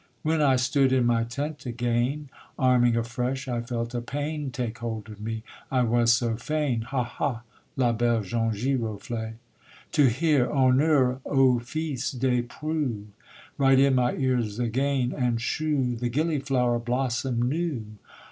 _ When I stood in my tent again, Arming afresh, I felt a pain Take hold of me, I was so fain, Hah! hah! la belle jaune giroflée. To hear: Honneur aux fils des preux! Right in my ears again, and shew The gilliflower blossom'd new.